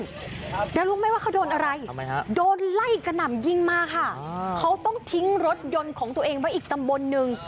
แล้วรู้ไหมว่าเขาโดนอะไรทำไมฮะโดนไล่กระหน่ำยิงมาค่ะเขาต้องทิ้งรถยนต์ของตัวเองไว้อีกตำบลหนึ่ง